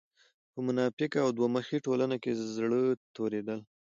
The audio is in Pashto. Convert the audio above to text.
په منافقه او دوه مخې ټولنه کې زړۀ توريدل